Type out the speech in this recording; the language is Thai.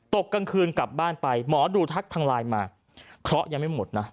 กลางคืนกลับบ้านไปหมอดูทักทางไลน์มาเคราะห์ยังไม่หมดนะ